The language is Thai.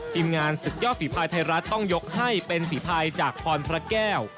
ทีมงานศึกยอดฝีภายไทยรัฐต้องยกให้เป็นฝีภายจากพรพระแก้ว